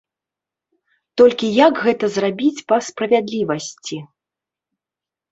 Толькі як гэта зрабіць па справядлівасці?